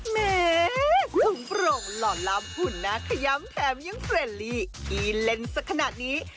เม้สุ่มปรงหล่อล้ำหุ่นน้าขย้ำแถมยังเฟรนด์ลีอีเล่นสักขนาดนี้